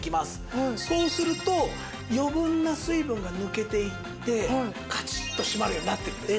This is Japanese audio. そうすると余分な水分が抜けていってカチッと閉まるようになってるんです。